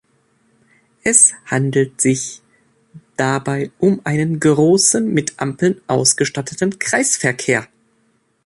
Es handelt sich dabei um einen großen, mit Ampeln ausgestatteten Kreisverkehr.